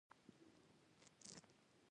افغان سوداګرو په پاکستان پانګونه کړې.